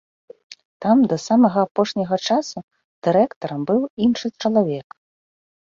Там да самага апошняга часу дырэктарам быў іншы чалавек.